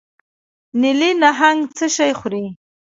نیلي نهنګ څه شی خوري؟